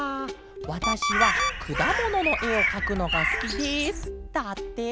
わたしはくだもののえをかくのがすきです」だって。